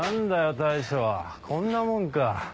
大将こんなもんか。